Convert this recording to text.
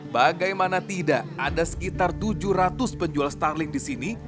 bagaimana tidak ada sekitar tujuh ratus penjual starling di sini